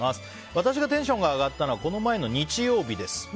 私がテンション上がったのはこの前の日曜日です。